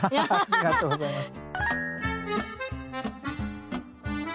ありがとうございます。